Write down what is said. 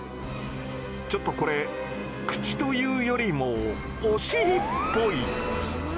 ちょっとこれ口というよりもおしりっぽい⁉